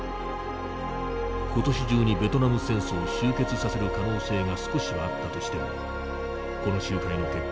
今年中にベトナム戦争を終結させる可能性が少しはあったとしてもこの集会の結果